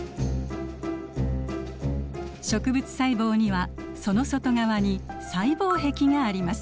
植物細胞にはその外側に細胞壁があります。